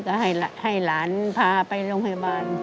ก็ให้หลานพาไปโรงพยาบาล